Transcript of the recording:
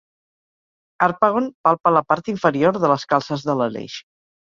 Harpagon palpa la part inferior de les calces de l'Aleix.